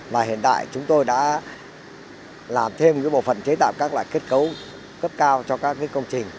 và hiện tại chúng tôi đã làm thêm bộ phận chế tạo các loại kết cấu cấp cao cho các công trình